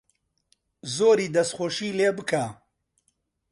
زۆری دەسخۆشی لێ بکە